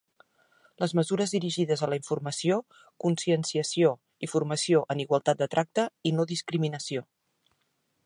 Les mesures dirigides a la informació, conscienciació i formació en igualtat de tracte i no-discriminació.